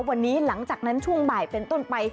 วันนี้หลังจากนั้นช่วงบ่ายเป็นต้นไป